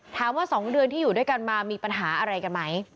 ๒เดือนที่อยู่ด้วยกันมามีปัญหาอะไรกันไหม